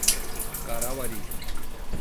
Carauari